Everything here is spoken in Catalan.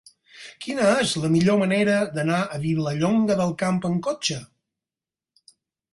Quina és la millor manera d'anar a Vilallonga del Camp amb cotxe?